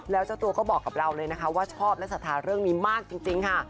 แล้วเจ้าตัวก็บอกกับเราเลยนะคะว่าชอบและศรัทธาเรื่องนี้มากจริงค่ะ